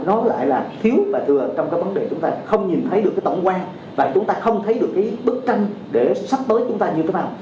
nó lại là thiếu và thừa trong cái vấn đề chúng ta không nhìn thấy được cái tổng quan và chúng ta không thấy được cái bức tranh để sắp tới chúng ta như thế nào